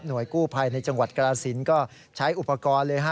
หน่วยกู้ภัยในจังหวัดกราศิลป์ก็ใช้อุปกรณ์เลย